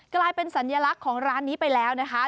กลายเป็นสัญลักษณ์ของร้านนี้ไปแล้วนะคะ